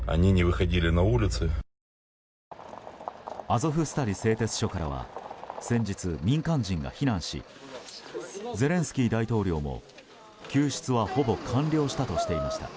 アゾフスタリ製鉄所からは先日、民間人が避難しゼレンスキー大統領も、救出はほぼ完了したとしていました。